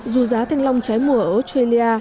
dù giá thanh long trái mùa ở australia